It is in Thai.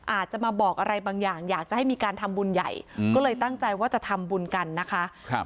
อาจจะมาบอกอะไรบางอย่างอยากจะให้มีการทำบุญใหญ่ก็เลยตั้งใจว่าจะทำบุญกันนะคะ